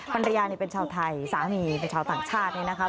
พันรยานี้เป็นชาวไทยสามีเป็นชาวต่างชาตินะครับ